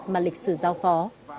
mà lịch sử giao phó